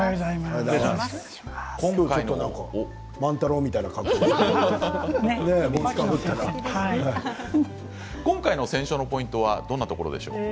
今回万太郎みたいな格好で今回の選書のポイントはどんなところですか？